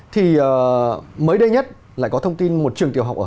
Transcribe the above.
thì mới đây nhất lại có thông tin một trường tiểu học ở